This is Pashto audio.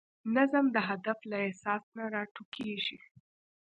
نظم د هدف له احساس نه راټوکېږي.